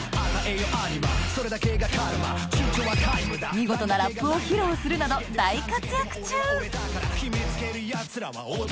見事なラップを披露するなど大活躍中